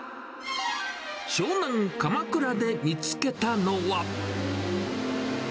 湘南・鎌倉で見つけたのは。